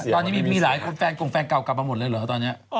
ตอนนี้มีหลายคนแฟนกลงก็กลับมาหมดเลยหรอตอนเน้อ